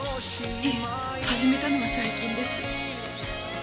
いえ始めたのは最近です。